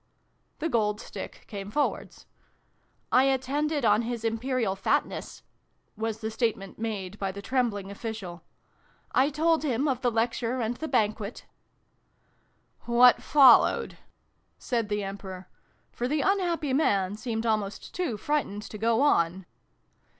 The Gold Stick came forwards. " I attended on His Imperial Fatness," was the statement made by the trembling official. " I told him of the Lecture and the Banquet ." xxiv] THE BEGGAR'S RETURN. 385 "What followed?" said the Emperor: for the unhappy man seemed almost too frightened to go on.